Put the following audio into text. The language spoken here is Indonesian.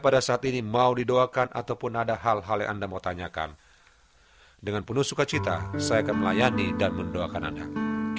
dan sehat secara fisik